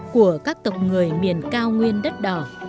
của các tộc người miền cao nguyên đất đỏ